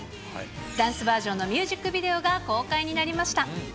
ダンスバージョンのミュージックビデオが公開になりました。